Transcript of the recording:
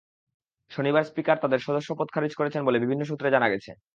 শনিবার স্পিকার তাঁদের সদস্যপদ খারিজ করেন বলে বিভিন্ন সূত্রে জানা গেছে।